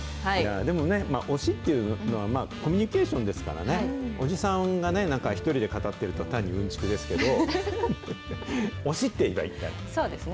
でもね、推しっていうのはコミュニケーションですからね、おじさんがね、なんか１人で語ってると、単にうんちくですけど、推そうですね。